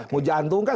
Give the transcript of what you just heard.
mau jantung kan